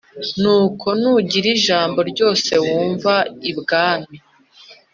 Nuko nugira ijambo ryose wumva ibwami